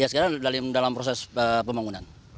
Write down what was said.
sekarang dalam proses pembangunan